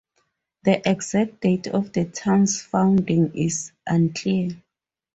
The exact date of the town's founding is unclear.